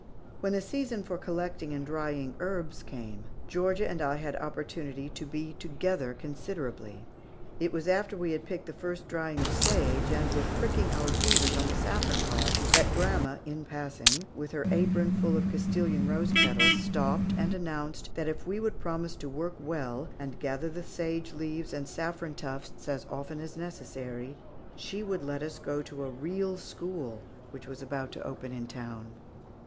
When the season for collecting and drying herbs came, Georgia and I had opportunity to be together considerably. It was after we had picked the first drying of sage and were pricking our fingers on the saffron pods, that grandma, in passing, with her apron full of Castilian rose petals, stopped and announced that if we would promise to work well, and gather the sage leaves and saffron tufts as often as necessary, she would let us go to a "real school" which was about to open in town.